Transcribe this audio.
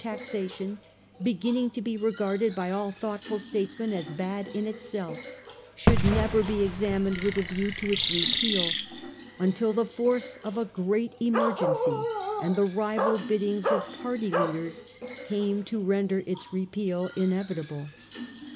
taxation, beginning to be regarded by all thoughtful statesmen as bad in itself, should never be examined with a view to its repeal until the force of a great emergency and the rival biddings of party leaders came to render its repeal inevitable.